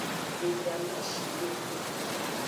Devi amashideke.